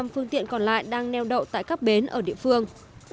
bốn bảy trăm năm mươi năm phương tiện còn lại đang neo đậu tại các bến ở địa phương